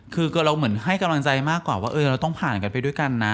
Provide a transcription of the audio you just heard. คือเราเหมือนให้กำลังใจมากกว่าว่าเราต้องผ่านกันไปด้วยกันนะ